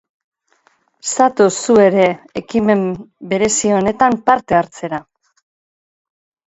Zatoz zu ere ekimen berezi honetan parte hartzera!